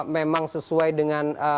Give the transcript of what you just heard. memang sesuai dengan